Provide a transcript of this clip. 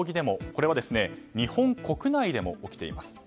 これは日本国内でも起きています。